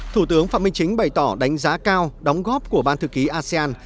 thủ tướng phạm minh chính bày tỏ đánh giá cao đóng góp của ban thư ký asean